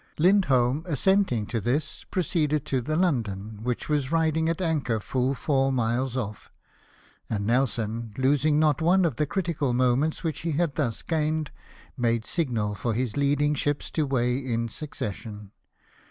Lindholm assenting to this, proceeded to the London, which was riding at anchor full four miles off; and Nelson, losing not one of the critical moments which he had thus gained, made signal for his leading ships to weigh in succession.